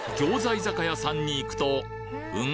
居酒屋さんに行くとん？